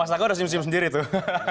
masa gua udah simp simp sendiri tuh